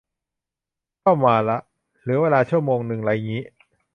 เข้ามาละ เหลือเวลาชั่วโมงนึงไรงี้